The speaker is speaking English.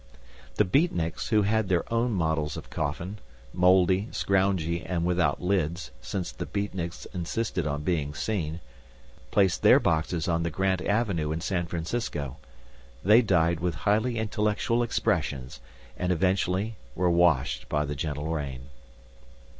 The Beatniks, who had their own models of coffin mouldy, scroungy, and without lids, since the Beatniks insisted on being seen placed their boxes on the Grant Avenue in San Francisco. They died with highly intellectual expressions, and eventually were washed by the gentle rain.